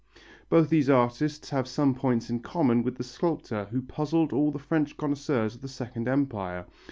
Both these artists have some points in common with the sculptor who puzzled all the French connoisseurs of the Second Empire.